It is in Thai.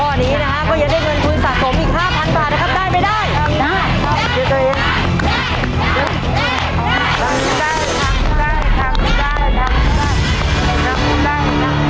ข้อนี้นะฮะก็ยังได้เงินทุนสะสมอีก๕๐๐บาทนะครับได้ไม่ได้ครับ